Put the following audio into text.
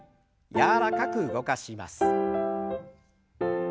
柔らかく動かします。